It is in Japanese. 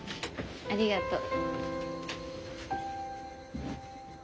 ありがとう。